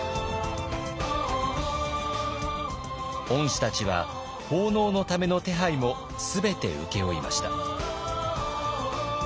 御師たちは奉納のための手配も全て請け負いました。